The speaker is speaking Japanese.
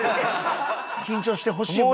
緊張してほしいもんですね。